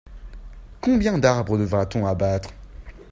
Combien d'arbres devra-t-on abattre ?